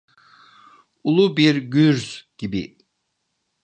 Ulu bir gürz gibi.